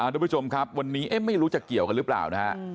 ทุกผู้ชมครับวันนี้ไม่รู้จะเกี่ยวกันหรือเปล่านะฮะ